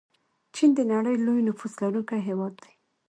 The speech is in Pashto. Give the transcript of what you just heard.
چین د نړۍ لوی نفوس لرونکی هیواد دی.